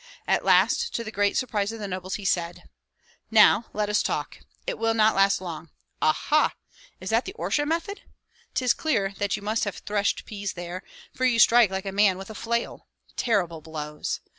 At last, to the great surprise of the nobles, he said, "Now let us talk; it will not last long. Ah, ha! is that the Orsha method? 'Tis clear that you must have threshed peas there, for you strike like a man with a flail. Terrible blows!